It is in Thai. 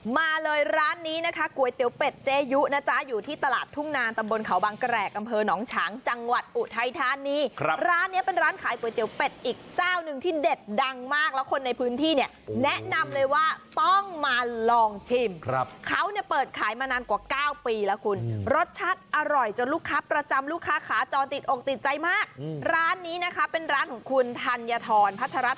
มาเลยร้านนี้นะคะก๋วยเตี๋ยวเป็ดเจยุนะจ๊ะอยู่ที่ตลาดทุ่งนานตะบลเขาบังกระแกรกกำเภอหนองฉางจังหวัดอุทัยธานีครับร้านนี้เป็นร้านขายก๋วยเตี๋ยวเป็ดอีกเจ้าหนึ่งที่เด็ดดังมากแล้วคนในพื้นที่เนี่ยแนะนำเลยว่าต้องมาลองชิมครับเขาเนี่ยเปิดขายมานานกว่าเก้าปีแล้วคุณรสชัดอร่อยจนลูกค้าประจ